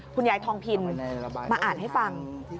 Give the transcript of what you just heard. คุณยายทองพินมาอ่านให้ฟัง